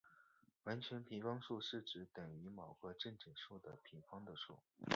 完全平方数是指等于某个正整数的平方的数。